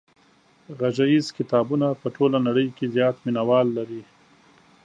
غږیز کتابونه په ټوله نړۍ کې زیات مینوال لري.